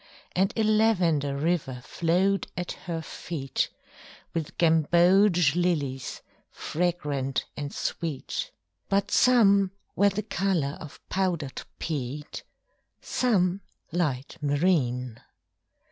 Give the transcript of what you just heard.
And a lavender river flowed at her feet With gamboge lilies fragrant and sweet, But some were the color of powdered peat, Some light marine.